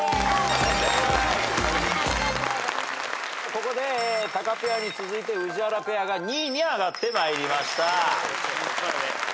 ここでタカペアに続いて宇治原ペアが２位に上がってまいりました。